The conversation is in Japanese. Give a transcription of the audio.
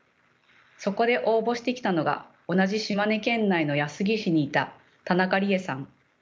そこで応募してきたのが同じ島根県内の安来市にいた田中理恵さん。